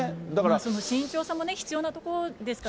その慎重さも必要なとこですからね。